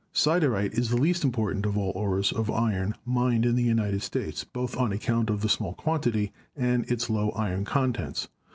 Siderite is the least important of all the ores of iron mined in the United States, both on account of the small quantity and its low iron contents.